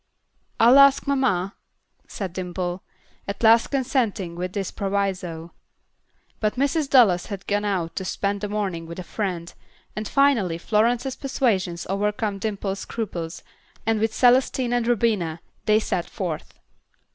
"I'll ask mamma," said Dimple, at last consenting with this proviso. But Mrs. Dallas had gone out to spend the morning with a friend, and finally Florence's persuasions overcame Dimple's scruples, and with Celestine and Rubina they set forth.